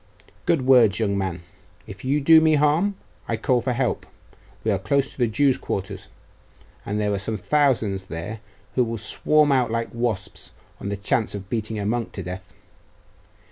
'Good words young man. If you do me harm, I call for help; we are close to the Jews' quarter, and there are some thousands there who will swarm out like wasps on the chance of beating a monk to death.